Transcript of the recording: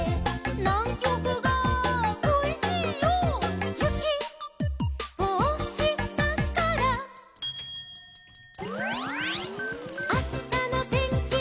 「『ナンキョクがこいしいよ』」「ゆきをおしたから」「あしたのてんきは」